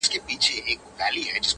پر لویو غرو د خدای نظر دی!.